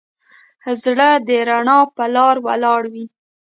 زړه د رڼا په لاره ولاړ وي.